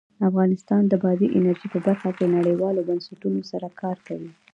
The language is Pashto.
افغانستان د بادي انرژي په برخه کې نړیوالو بنسټونو سره کار کوي.